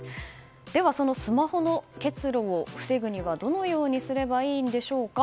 では、スマホの結露を防ぐにはどのようにすればいいのでしょうか。